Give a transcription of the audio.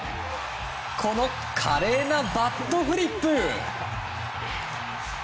この華麗なバットフリップ。